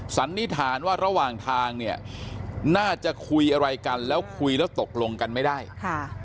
สันนิษฐานว่าระหว่างทางเนี่ยน่าจะคุยอะไรกันแล้วคุยแล้วตกลงกันไม่ได้ค่ะ